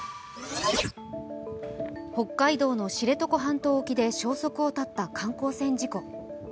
北海道の知床半島沖で消息を絶った観光船事故。